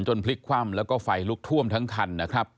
พลิกคว่ำแล้วก็ไฟลุกท่วมทั้งคันนะครับ